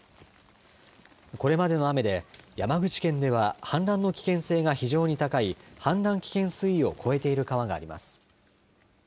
これまでの雨で山口県では氾濫の危険性が非常に高い氾濫危険水位を超えている川があります。